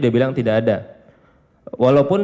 dibilang tidak ada walaupun